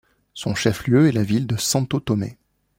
Son chef-lieu est la ville de Santo Tomé.